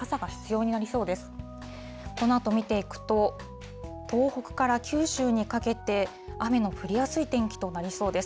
このあと見ていくと、東北から九州にかけて、雨の降りやすい天気となりそうです。